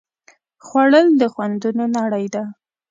خوړل د خوندونو نړۍ ده